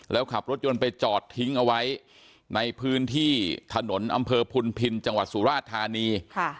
แล้วขับรถยนต์ไปจอดทิ้งเอาไว้ในพื้นที่ถนนอำเภอพุนพินจังหวัดสุราชธานี